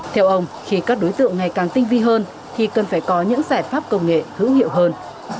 theo ông khi các đối tượng ngày càng tinh vi hơn thì cần phải có những giải pháp công nghệ hữu hiệu hơn